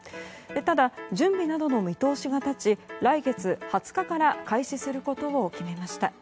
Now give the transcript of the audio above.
ただ準備などの見通しが立ち来月２０から開始することを決めました。